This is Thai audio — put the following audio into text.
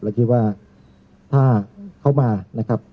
แล้วคิดว่าถ้าเขามานะครับ